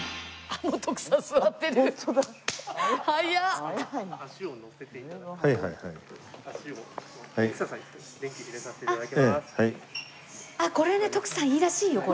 あっこれね徳さんいいらしいよこれ。